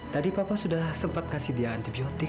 tadi papa sudah sempat kasih dia antibiotik